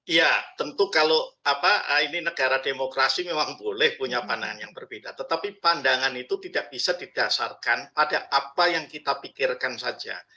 iya tentu kalau ini negara demokrasi memang boleh punya pandangan yang berbeda tetapi pandangan itu tidak bisa didasarkan pada apa yang kita pikirkan saja